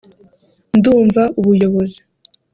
“Ndumva ubuyobozi